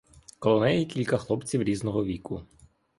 Коло неї кілька хлопців різного віку.